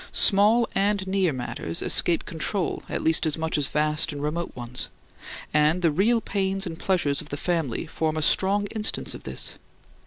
Small and near matters escape control at least as much as vast and remote ones; and the real pains and pleasures of the family form a strong instance of this.